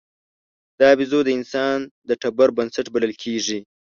دا بیزو د انسان د ټبر بنسټ بلل کېږي.